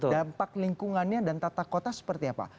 dampak lingkungannya dan tata kota seperti apa